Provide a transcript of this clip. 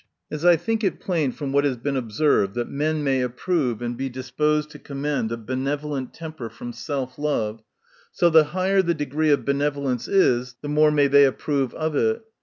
As I think it plain from what has been observed, that men may approve and be disposed to commend a benevolent temper, from self love, so the higher the degree of benevolence is, the more may they approve of it.